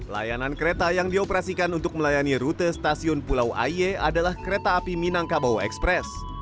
layanan kereta yang dioperasikan untuk melayani rute stasiun pulau aie adalah kereta api minangkabau express